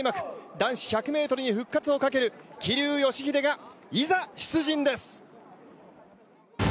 男子１００ｍに復活をかける桐生祥秀が、いざ出陣です。